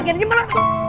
gak ada dimana